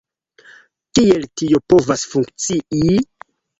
Kiel tio povas funkcii??